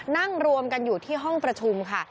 นั่งรวมกันอยู่ที่ห้องประชุมค่ะ